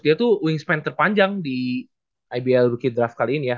dia tuh wingspan terpanjang di ibl bukit draft kali ini ya